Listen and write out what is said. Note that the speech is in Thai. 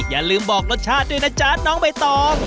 อย่าลืมบอกรสชาติด้วยนะจ๊ะน้องใบตอง